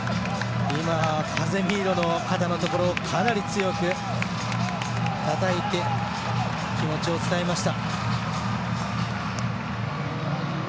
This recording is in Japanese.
カゼミーロの肩のところをかなり強くたたいて気持ちを伝えました。